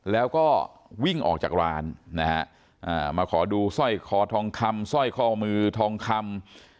แล้วก็วิ่งออกจากร้านนะฮะมาขอดูสร้อยคอทองคำสร้อยข้อมือทองคำ